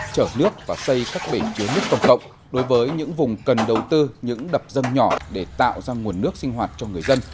chở nước và xây các bể chứa nước công cộng đối với những vùng cần đầu tư những đập dân nhỏ để tạo ra nguồn nước sinh hoạt cho người dân